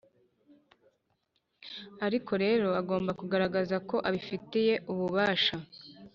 ariko rero agomba kugaragaza ko abifitiye ububasha